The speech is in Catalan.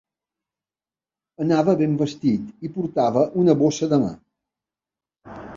Anava ben vestit i portava una bossa de mà.